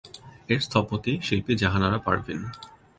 এর স্থপতি শিল্পী জাহানারা পারভীন।